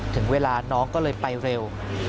ถึงเวลาน้องก็เลยไปเร็ว